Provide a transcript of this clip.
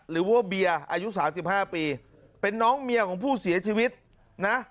หรือว่าเบียร์อายุ๓๕ปีเป็นน้องเมียของผู้เสียชีวิตนะ